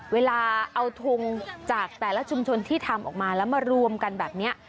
เวลาเอาทงจากแต่ละชุมชนที่ทำออกมาแล้วมารวมกันแบบนี้